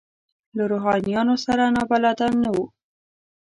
له روحانیونو سره نابلده نه وو.